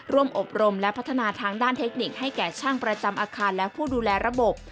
ร่วมอบรมและพัฒนาทางด้านเทคนิคให้แก่ช่างประจำอาคารและผู้ดูแลระบบ